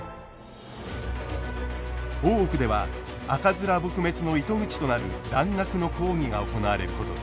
大奥では赤面撲滅の糸口となる蘭学の講義が行われることに。